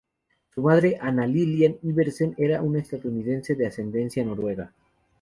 Su madre, Anna Lillian Iversen, era una estadounidense de ascendencia noruega.